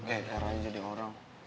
eh r aja jadi orang